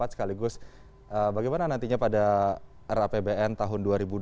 sekaligus bagaimana nantinya pada rapbn tahun dua ribu dua puluh